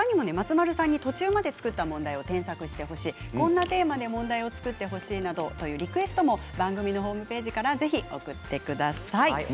ほかにも松丸さんに途中まで作った問題を添削してほしいこんなテーマで問題を作ってほしいなどのリクエストも番組のホームページから送ってください。